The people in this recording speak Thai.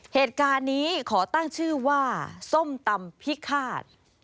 เหตุการณ์นี้ขอตั้งชื่อว่าส้มตำพิฆาต